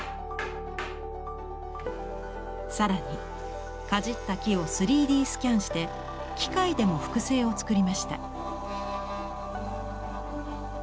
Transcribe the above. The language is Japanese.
更にかじった木を３Ｄスキャンして機械でも複製を作りました。